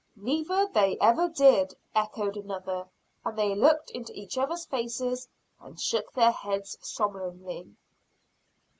"Neither they ever did!" echoed another, and they looked into each other's faces and shook their heads solemnly.